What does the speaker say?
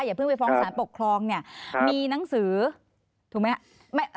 เพิ่งไปฟ้องสารปกครองเนี่ยมีหนังสือถูกไหมครับ